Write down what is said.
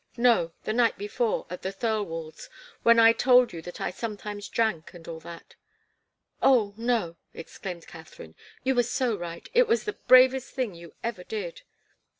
"No the night before at the Thirlwalls', when I told you that I sometimes drank and all that " "Oh, no!" exclaimed Katharine. "You were so right. It was the bravest thing you ever did!"